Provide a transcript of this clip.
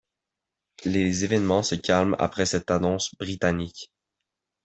Les événements se calment après cette annonce britannique.